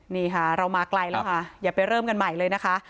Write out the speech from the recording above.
นี่ค่ะเรามาไกลแล้วค่ะอย่าไปเริ่มกันใหม่เลยนะคะ